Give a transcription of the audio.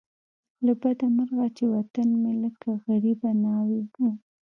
له بده مرغه چې وطن مې لکه غریبه ناوې وو.